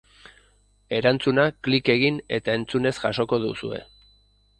Erantzuna, klik egin eta entzunez jasoko duzue.